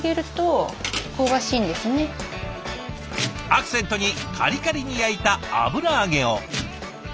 アクセントにカリカリに焼いた油揚げを。